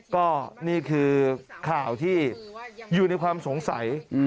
ก็นี่คือข่าวที่อยู่ในความสงสัย